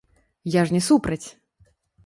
Я ж не супраць!